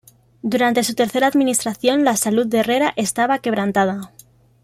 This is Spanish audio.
Durante su tercera administración la salud de Herrera estaba quebrantada.